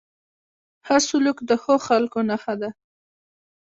ښه سلوک د ښو خلکو نښه ده.